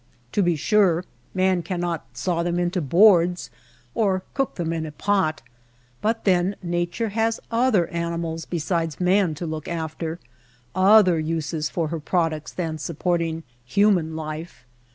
To be sure, man cannot saw them into boards or cook them in a pot ; but then Nature has other animals be side man to look after, other uses for her pro ducts than supporting human life.